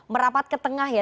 merapat ke tengah ya